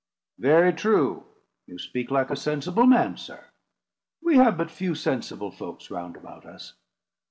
"Very true! you speak like a sensible man, sir. We have but few sensible folks round about us.